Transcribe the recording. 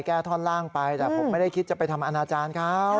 ท่อนล่างไปแต่ผมไม่ได้คิดจะไปทำอนาจารย์เขา